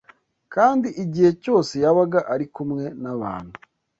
kandi igihe cyose yabaga ari kumwe n’abantu